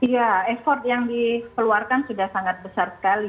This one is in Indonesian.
iya effort yang dikeluarkan sudah sangat besar sekali